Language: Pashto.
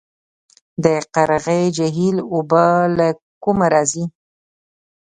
د قرغې جهیل اوبه له کومه راځي؟